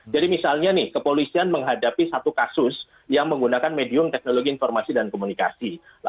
jadi misalnya nih kepolisian menghadapi satu kasus yang menggunakan medium teknologi informasi dan komunikasi